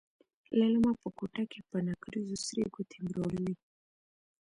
ليلما په کوټه کې په نکريزو سرې ګوتې مروړلې.